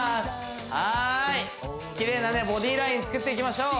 はいきれいなボディラインつくっていきましょう